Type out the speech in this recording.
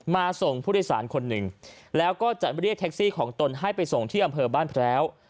ส่งผู้โดยสารคนหนึ่งแล้วก็จะเรียกแท็กซี่ของตนให้ไปส่งที่อำเภอบ้านแพรว